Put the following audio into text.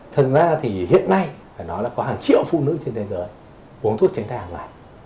thực ra thì hiện nay phải nói là có hàng triệu phụ nữ trên thế giới uống thuốc tránh thai hàng ngày